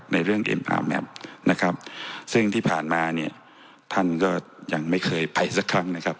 ในเรื่องเอ็มพาแมพนะครับซึ่งที่ผ่านมาเนี่ยท่านก็ยังไม่เคยไปสักครั้งนะครับ